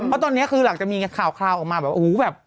เพราะตอนนี้คือหลังจากมีข่าวออกมาแบบโอ้โหแบบ